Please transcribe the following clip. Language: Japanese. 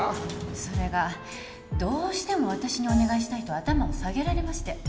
それがどうしても私にお願いしたいと頭をさげられまして。